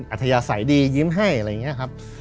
อัธยาศัยดียิ้มให้อะไรอย่างนี้ครับ